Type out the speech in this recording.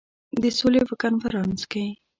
د سولي په کنفرانس کې.